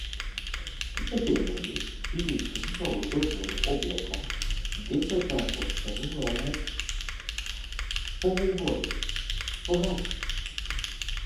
Тие денови, бидејќи немало доволно облека, децата остануваат полуголи, во гаќи.